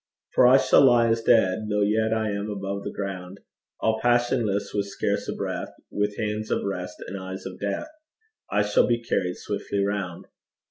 For I shall lie as dead, Though yet I am above the ground; All passionless, with scarce a breath, With hands of rest and eyes of death, I shall be carried swiftly round.